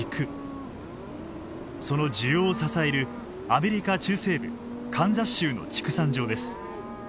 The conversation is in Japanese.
その需要を支えるアメリカ中西部カンザス州の畜産場です。